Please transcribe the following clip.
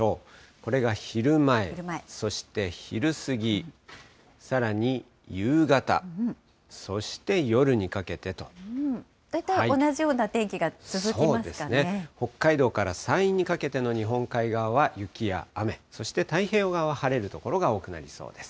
これが昼前、そして昼過ぎ、さら大体同じような天気が続きまそうですね、北海道から山陰にかけての日本海側は雪や雨、そして太平洋側は晴れる所が多くなりそうです。